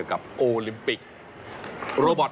กับโอลิมปิกโรบอต